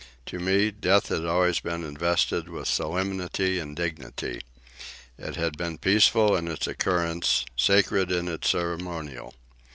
To me, death had always been invested with solemnity and dignity. It had been peaceful in its occurrence, sacred in its ceremonial.